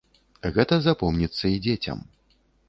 Гэта запомніцца і дзецям.